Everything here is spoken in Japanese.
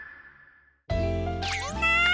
みんな！